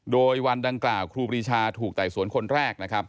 โดยวันดังกล่าวครูปรีชาถูกไต่สวนคนแรกนะครับ